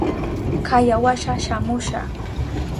Kaya washa shamusha.